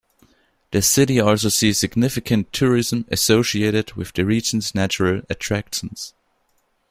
The city also sees significant tourism associated with the region's natural attractions.